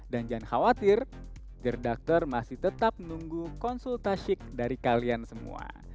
dan jangan khawatir dear doctor masih tetap menunggu konsultasi dari kalian semua